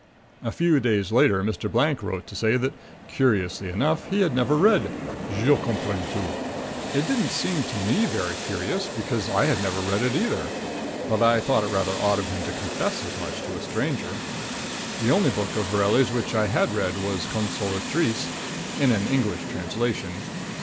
A few days later Mr. Blank wrote to say that, curiously enough, he had never read "Je Comprends Tout." It didn't seem to me very curious, because I had never read it either, but I thought it rather odd of him to confess as much to a stranger. The only book of Vaurelle's which I had read was "Consolatrice," in an English translation.